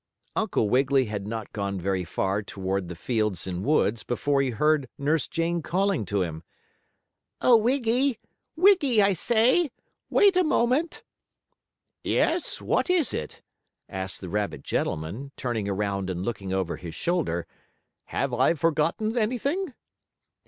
Uncle Wiggily had not gone very far toward the fields and woods before he heard Nurse Jane calling to him. "Oh, Wiggy! Wiggy, I say! Wait a moment!" "Yes, what is it?" asked the rabbit gentleman, turning around and looking over his shoulder. "Have I forgotten anything?"